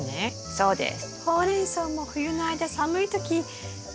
そうです。